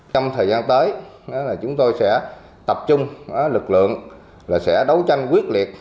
trong thời gian tới chúng tôi sẽ tập trung lực lượng sẽ đấu tranh quyết liệt